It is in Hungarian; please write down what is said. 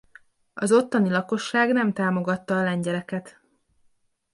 Az ottani lakosság nem támogatta a lengyeleket.